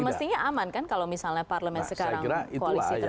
semestinya aman kan kalau misalnya parlemen sekarang koalisi terbesar kan